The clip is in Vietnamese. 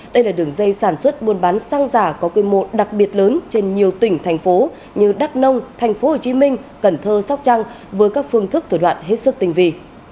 đây là đường dây sản xuất buôn bán xăng giả có quy mô đặc biệt lớn trên nhiều tỉnh thành phố như đắk nông tp hcm cần thơ sóc trăng với các phương thức thủ đoạn hết sức tình vị